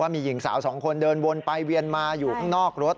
ว่ามีหญิงสาว๒คนเดินวนไปเวียนมาอยู่นอกรถ